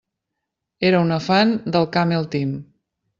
Era una fan del Camel Team.